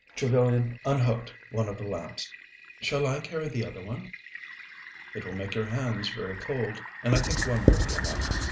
Trevellyan unhooked one of the lamps. "Shall I carry the other one?" "It will make your hands very cold, and I think one will be enough.